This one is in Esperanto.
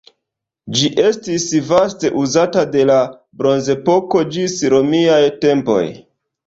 Ĝi estis vaste uzata de la bronzepoko ĝis romiaj tempoj.